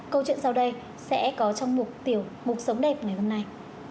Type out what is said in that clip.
câu chuyện sau đây sẽ có trong mục tiểu mục sống đẹp ngày hôm nay